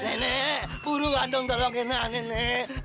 nenek puruan dong tolong kena nenek